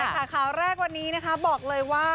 ข่าวแรกวันนี้นะคะบอกเลยว่า